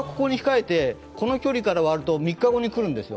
この距離から割ると３日後に来るんです。